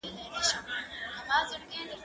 زه اوږده وخت پلان جوړوم وم